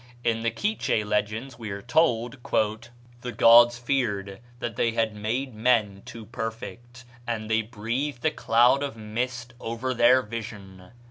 In the Quiche legends we are told, "The gods feared that they had made men too perfect, and they breathed a cloud of mist over their vision."